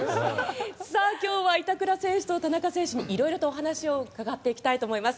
今日は板倉選手と田中選手にいろいろとお話を伺っていきたいと思います。